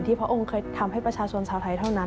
พระองค์เคยทำให้ประชาชนชาวไทยเท่านั้น